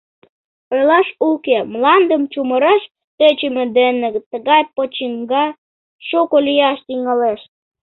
Ойлаш уке, мландым чумыраш тӧчымӧ дене тыгай почиҥга шуко лияш тӱҥалеш.